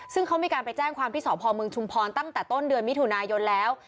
ซึ่งเขามีการไปแจ้งความที่สพเมืองชุมพรตั้งแต่ต้นเดือนมิถุนายนแล้ว